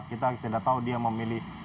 kita tidak tahu dia memilih